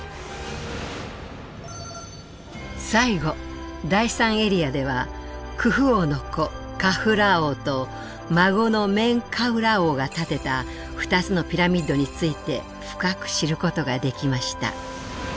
最後第３エリアではクフ王の子カフラー王と孫のメンカウラー王が建てた２つのピラミッドについて深く知ることができました。